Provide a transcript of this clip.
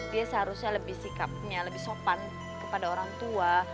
dia seharusnya lebih sikapnya lebih sopan kepada orang tua